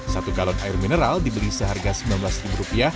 satu galon air mineral dibeli seharga rp sembilan belas